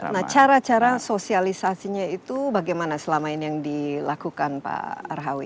nah cara cara sosialisasinya itu bagaimana selama ini yang dilakukan pak arhawi